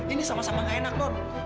ini sama sama gak enak dong